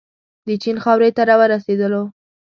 د چین خاورې ته ورسېدلو.